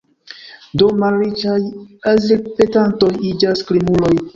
Do malriĉaj azilpetantoj iĝas krimuloj.